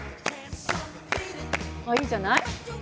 あっいいじゃない。